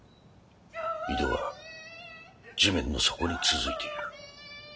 井戸は地面の底に続いている。